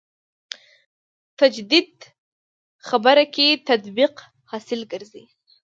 تجدید خبره کې تطبیق حاصل ګرځي.